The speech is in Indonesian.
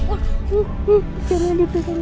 biar jangan ditegang